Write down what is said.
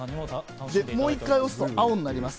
もう一回、押すと青になります。